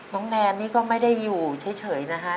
แนนนี่ก็ไม่ได้อยู่เฉยนะคะ